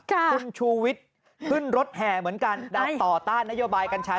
คุณชูวิตถึงรถแห่เหมือนกันใช่